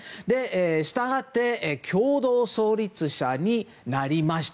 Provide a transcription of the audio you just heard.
したがって共同創立者になりました。